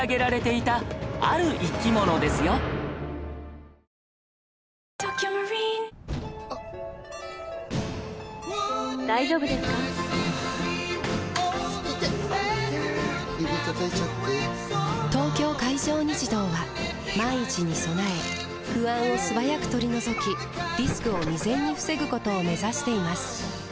指たたいちゃって・・・「東京海上日動」は万一に備え不安を素早く取り除きリスクを未然に防ぐことを目指しています